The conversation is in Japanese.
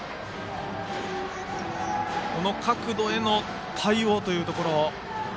この角度への対応というところ。